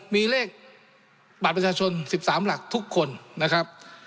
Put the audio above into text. มีเลขบัตรประชาชน๑๓หลักทุกคนนะครับ